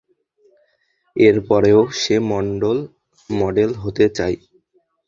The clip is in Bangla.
এরপরেও, সে মডেল হতে চায়।